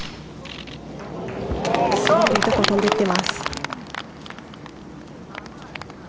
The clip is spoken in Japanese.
いい所に飛んでいってます。